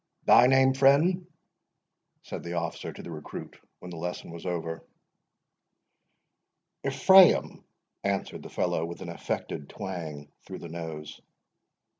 "Thy name, friend?" said the officer to the recruit, when the lesson was over. "Ephraim," answered the fellow, with an affected twang through the nose.